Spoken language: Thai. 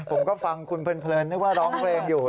ผมก็ฟังคุณเพลินนึกว่าร้องเพลงอยู่